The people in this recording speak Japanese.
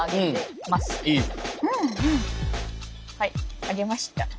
はいあげました。